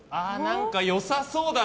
良さそうだな。